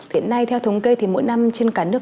hiện nay theo thống kê thì mỗi năm trên cả nước